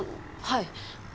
はい。